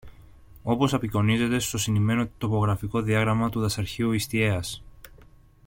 όπως απεικονίζεται στο συνημμένο τοπογραφικό διάγραμμα του Δασαρχείου Ιστιαίας